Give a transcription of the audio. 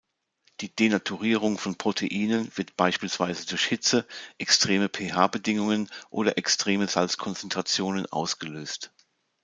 Die Denaturierung von Proteinen wird beispielsweise durch Hitze, extreme pH-Bedingungen oder extreme Salzkonzentrationen ausgelöst.